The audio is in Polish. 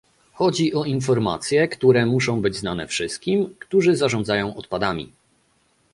Chodzi o informacje, które muszą być znane wszystkim, którzy zarządzają odpadami